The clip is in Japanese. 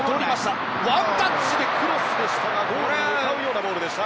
ワンタッチでクロスでしたがゴールへ向かうようなボールでした。